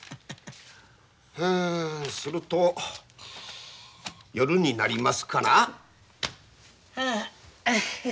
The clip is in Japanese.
はあすると夜になりますかな？へへ。